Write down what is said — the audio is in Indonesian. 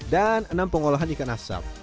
dan enam pengolahan ikan asap